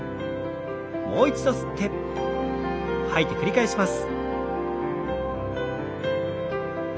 もう一度吸って吐いて繰り返します。